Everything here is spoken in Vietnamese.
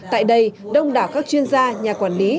tại đây đông đảo các chuyên gia nhà quản lý